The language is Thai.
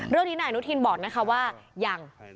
เรื่องนี้หน่ายอนุทินบอกว่ายัง